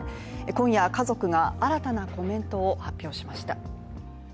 今夜、家族が新たなコメントを発表しました。